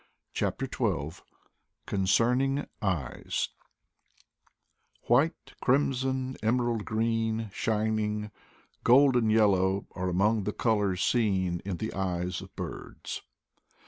CHAPTER Xn CONCERNING EYEfr WHITE, crimson, emerald green, shining golden yellow, are amongst the colors seen in the eyes of birds.